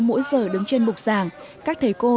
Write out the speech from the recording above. mỗi giờ đứng trên bục giảng các thầy cô